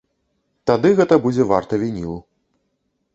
Тады гэта будзе варта вінілу.